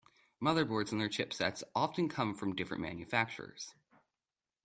Motherboards and their chipsets often come from different manufacturers.